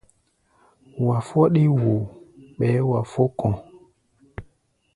Wa fɔ́ɗí woo, ɓɛɛ́ wa fó kɔ̧.